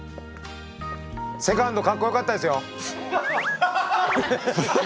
「セカンド」かっこよかったですよ。